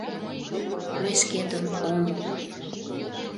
Мый шкетын ом ул...